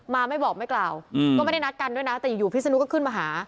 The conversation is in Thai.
มาไม่บอกไม่กล่าวก็ไม่ได้นัดกันด้วยนะแต่อยู่พิศนุก็ขึ้นมาหา